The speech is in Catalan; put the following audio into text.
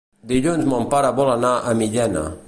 Dilluns mon pare vol anar a Millena.